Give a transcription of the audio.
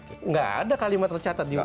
tidak ada kalimat tercatat di situ